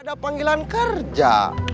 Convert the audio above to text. ada panggilan kerja